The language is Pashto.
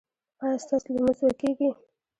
ایا ستاسو لمونځ به کیږي؟